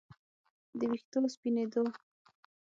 د ویښتو سپینېدو